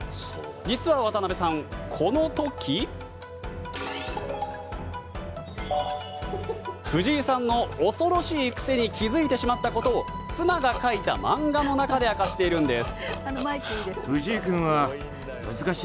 実は渡辺さん、この時藤井さんの恐ろしいクセに気づいてしまったことを妻が描いた漫画の中で明かしているんです。